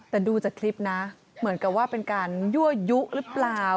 แต่ดูจากคลิปนะเหมือนกับว่าเป็นการยั่วยุหรือเปล่า